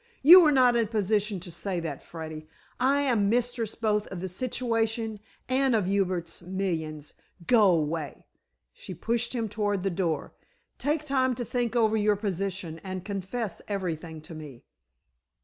"You are not in a position to say that, Freddy. I am mistress both of the situation and of Hubert's millions. Go away," she pushed him toward the door. "Take time to think over your position, and confess everything to me."